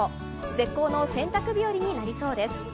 絶好の洗濯日和になりそうです。